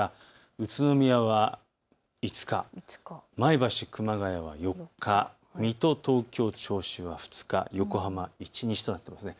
宇都宮は５日、前橋、熊谷は４日、水戸、東京、銚子は２日、横浜、１日となっています。